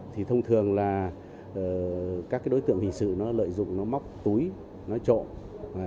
thì thông thường là các đối tượng hình sự nó lợi dụng nó móc túi nó trộm